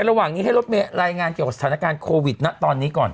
ในระหว่างนี้ให้รถมีรายงานเจอสถานการณ์โควิดตอนนี้ก่อน